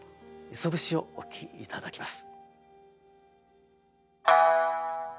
「磯節」をお聴き頂きます。